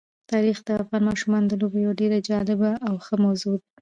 تاریخ د افغان ماشومانو د لوبو یوه ډېره جالبه او ښه موضوع ده.